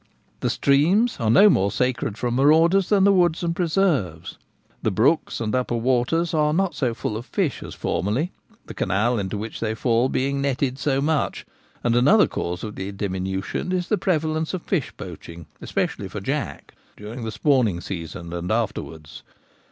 The streams are no more sacred from marauders than the woods and preserves. The brooks and upper waters are not so full of fish as formerly, the canal into which they fall being netted so much ; and another cause of the diminution is the prevalence of fish poaching, especially for jack, during the spawning season and afterwards.